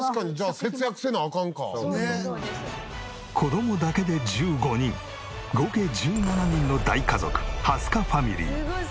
子供だけで１５人合計１７人の大家族蓮香ファミリー。